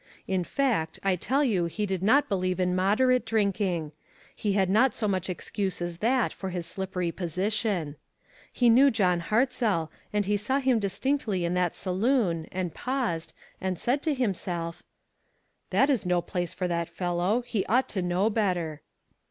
In fact, I tell you he did not believe in moderate drinking. He had not so much excuse as that for his slippery position. 46O ONE COMMONPLACE DAY. He knew John Hartzell, and he saw him distinctly in that saloon, and paused, and said to himself :" That is no place for that fellow. He ought to know better."